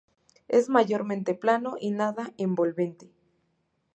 Es mayormente plano y nada envolvente".